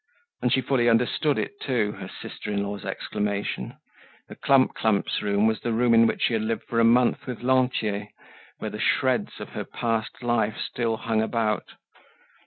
And she fully understood it, too, her sister in law's exclamation: the Clump clump's room was the room in which she had lived for a month with Lantier, where the shreds of her past life still hung about.